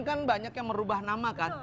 kan banyak yang merubah nama kan